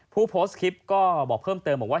ผู้โพสต์คลิปก็บอกเพิ่มเติมบอกว่า